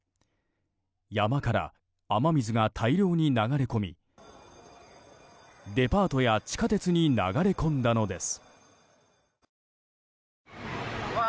山から雨水が大量に流れ込みデパートや地下鉄に流れ込んだのです。